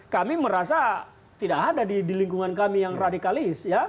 kami merasa tidak ada di lingkungan kami yang radikalis